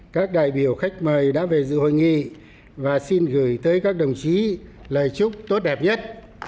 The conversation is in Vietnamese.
các đại biểu khách mời đã về dự hội nghị và xin gửi tới các đồng chí lời chúc tốt đẹp nhất